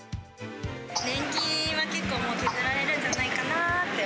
年金は結構、もう削られるんじゃないかなって。